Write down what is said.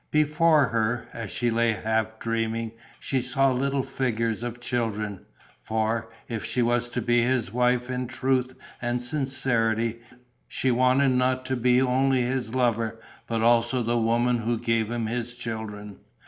Before her, as she lay half dreaming, she saw little figures of children. For, if she was to be his wife in truth and sincerity, she wanted to be not only his lover but also the woman who gave him his children.